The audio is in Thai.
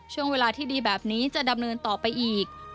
ช่วงเวลาที่ดีแบบนี้จะดำเนินต่อไปอีก